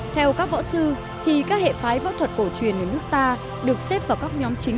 theo các võ sư thì các hệ phái võ thuật cổ truyền ở nước ta được xếp vào các nhóm chính